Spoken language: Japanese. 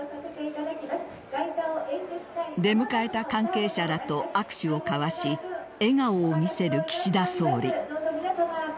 出迎えた関係者らと握手を交わし笑顔を見せる岸田総理。